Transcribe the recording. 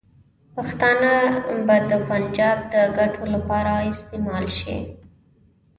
پښتانه به د پنجاب د ګټو لپاره استعمال شي.